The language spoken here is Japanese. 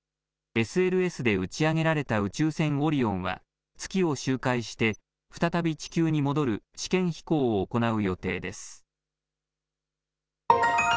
ＳＬＳで打ち上げられた宇宙船オリオンは月を周回して再び地球に戻る試験飛行を行う予定です。